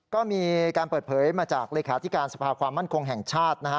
ก็มีการเปิดเผยมาจากเลขาธิการสภาความมั่นคงแห่งชาตินะฮะ